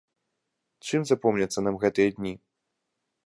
Чым запомняцца нам гэтыя дні?